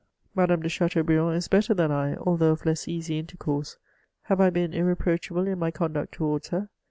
Madame de Chateaubriand is better than I, although of less easy intercourse. Have I been, irreproachable in my conduct towards her